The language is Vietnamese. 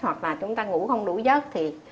hoặc là chúng ta ngủ không đủ giấc